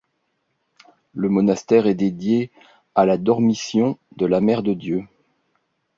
Le monastère est dédié à la Dormition de la Mère de Dieu.